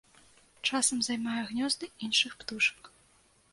Часам займае гнёзды іншых птушак.